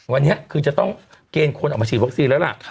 วันนี้คือจะต้องเกณฑ์คนออกมาฉีดวัคซีนแล้วล่ะ